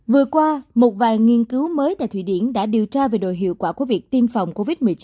vừa qua một vài nghiên cứu mới tại thụy điển đã điều tra về đội hiệu quả của việc tiêm phòng covid một mươi chín